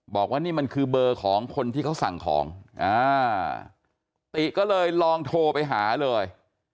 บอกว่านี่มันคือเบอร์ของคนที่เขาสั่งของติก็เลยลองโทรไปหาเลย